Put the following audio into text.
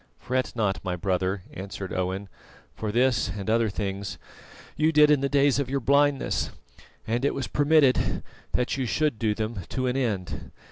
"Fret not, my brother," answered Owen, "for this and other things you did in the days of your blindness, and it was permitted that you should do them to an end.